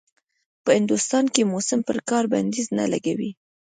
په هندوستان کې موسم پر کار بنديز نه لګوي.